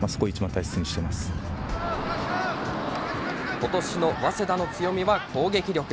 ことしの早稲田の強みは攻撃力。